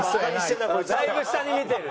だいぶ下に見てる。